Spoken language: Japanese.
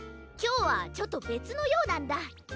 きょうはちょっとべつのようなんだ。